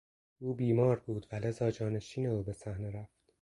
او بیمار بود و لذا جانشین او به صحنه رفت.